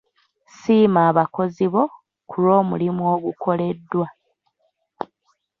Siima abakozi bo ku lw'omulimu ogukoleddwa.